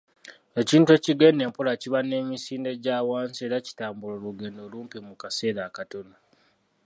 Ekintu ekigenda empola kiba n'emisinde gya wansi era kitambula olugendo lumpi mu kaseera akatono